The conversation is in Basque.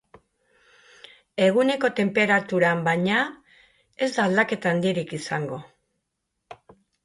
Eguneko tenperaturan, baina, ez da aldaketa handirik izango.